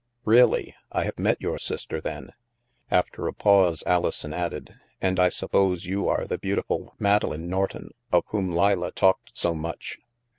"Really? I have met your sister then." After a pause, Alison added, " And I suppose you are the beautiful Madeleine Norton of whom Leila talked so much